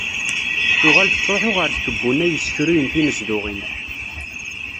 Tuɣal tettruḥu ɣer tkebbunay yessekruyen tinezduɣin.